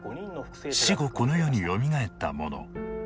死後この世によみがえった者。